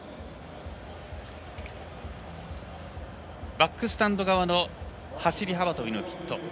バックスタンド側の走り幅跳びのピット。